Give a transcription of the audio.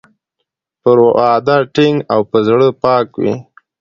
پر وعده ټینګ او په زړه پاک وي.